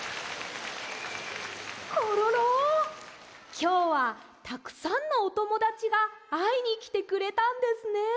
きょうはたくさんのおともだちがあいにきてくれたんですね。